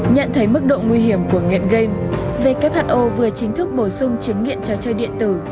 nhận thấy mức độ nguy hiểm của nghiện game who vừa chính thức bổ sung chứng nghiện trò chơi điện tử